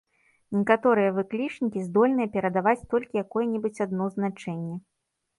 Некаторыя выклічнікі здольныя перадаваць толькі якое-небудзь адно значэнне.